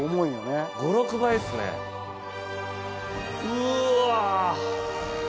うわ！